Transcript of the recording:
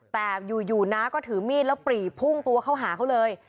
แต่อยู่น้าก็ถือมีดแล้วปรีพุ่งตัวเข้าหาเขาเลย